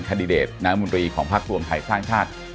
นายรัฐมนตรีของภักดิ์รวมไทยสร้างชาติ